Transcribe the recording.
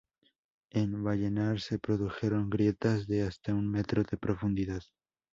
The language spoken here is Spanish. En Vallenar se produjeron grietas de hasta un metro de profundidad.